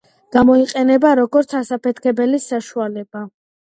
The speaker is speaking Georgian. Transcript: გამოიყენება როგორც ასაფეთქებელი საშუალება.